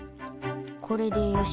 これでよし。